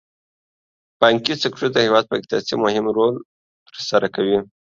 بانکي سکتور د هېواد په اقتصاد کې مهم رول تر سره کوي.